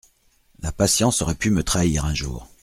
La patience aurait pu me trahir un jour.